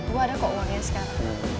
gue ada kok uangnya sekarang